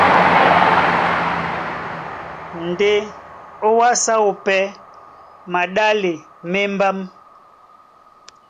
Ndé ó wásē áō pɛ́ maɗále má embám.